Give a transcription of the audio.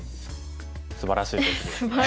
すばらしいですよね。